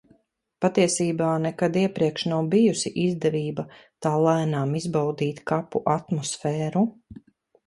Patiesībā nekad iepriekš nav bijusi izdevība tā lēnām izbaudīt kapu atmosfēru.